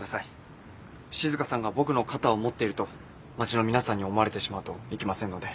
静さんが僕の肩を持っていると町の皆さんに思われてしまうといけませんので。